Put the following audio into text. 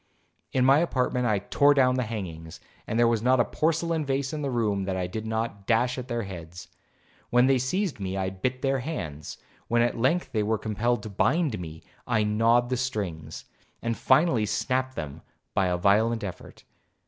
In my apartment I tore down the hangings, and there was not a porcelain vase in the room that I did not dash at their heads. When they seized me, I bit their hands; when at length they were compelled to bind me, I gnawed the strings, and finally snapt them by a violent effort.